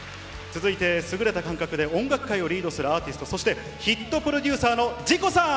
続いて優れた感覚で音楽界をリードするアーティスト、そしてヒットプロデューサーのＺＩＣＯさん。